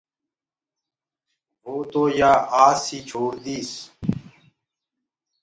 وو تو يآ آس ئي ڇوڙ ديس۔